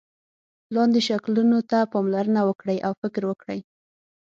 لاندې شکلونو ته پاملرنه وکړئ او فکر وکړئ.